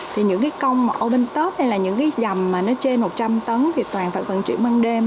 thì những cái công mà orbil top hay là những cái dầm mà nó trên một trăm linh tấn thì toàn phải vận chuyển băng đêm